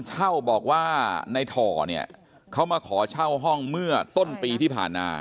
เช่าบอกว่าในถ่อเนี่ยเขามาขอเช่าห้องเมื่อต้นปีที่ผ่านมา